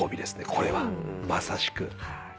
これはまさしく。